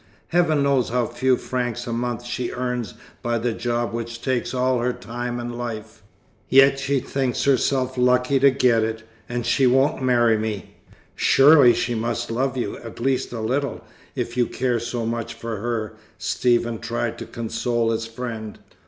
Heaven knows how few francs a month she earns by the job which takes all her time and life, yet she thinks herself lucky to get it. And she won't marry me." "Surely she must love you, at least a little, if you care so much for her," Stephen tried to console his friend.